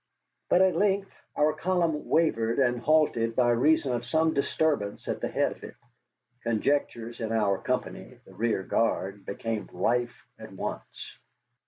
But at length our column wavered and halted by reason of some disturbance at the head of it. Conjectures in our company, the rear guard, became rife at once.